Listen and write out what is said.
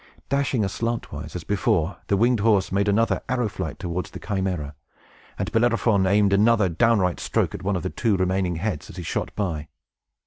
Dashing aslantwise, as before, the winged horse made another arrow flight towards the Chimæra, and Bellerophon aimed another downright stroke at one of the two remaining heads, as he shot by.